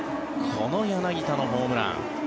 この柳田のホームラン。